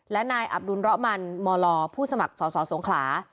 และนายอับดุลระมันมลผู้สมัครสอสอสงขลา